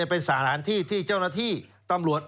เป็นสถานที่ที่เจ้าหน้าที่ตำรวจ